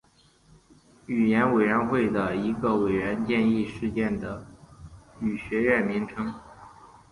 语言委员会的一个委员建议了世界语学院的名称。